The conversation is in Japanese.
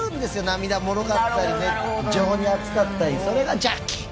涙もろかったり情に厚かったりそれがジャッキー。